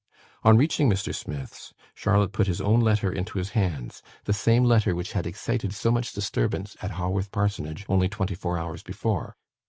On reaching Mr. Smith's, Charlotte put his own letter into his hands; the same letter which had excited so much disturbance at Haworth Parsonage only twenty four hours before.